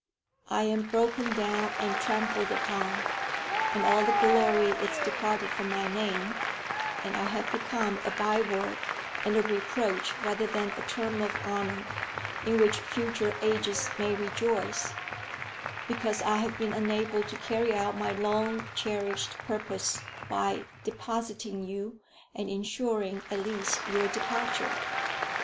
"I am broken down and trampled upon, and all the glory is departed from my name, and I have become a byword and a reproach rather than a term of honour in which future ages may rejoice, because I have been unable to carry out my long cherished purpose by depositing you, and insuring at least your departure!"